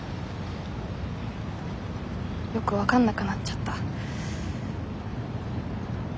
よく分かんなくなっちゃった。